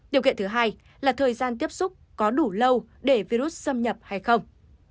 điều kiện thứ hai là thời gian tiếp xúc có đủ lâu để virus xâm nhập hay không